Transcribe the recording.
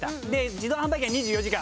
自動販売機は２４時間。